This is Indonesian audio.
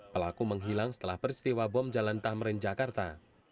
pelaku menghilang setelah peristiwa bom jalan tamrin jakarta